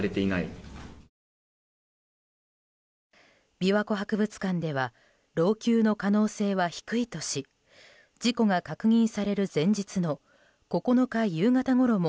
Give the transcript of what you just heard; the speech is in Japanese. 琵琶湖博物館では老朽の可能性は低いとし事故が確認される前日の９日夕方ごろも